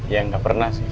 ya gak pernah sih